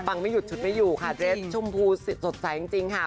ไม่หยุดฉุดไม่อยู่ค่ะเรสชมพูสดใสจริงค่ะ